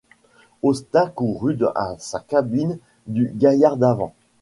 Austin courut à sa cabine du gaillard d’avant.